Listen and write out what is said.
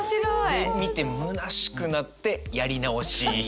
で見てむなしくなってやりなおしー。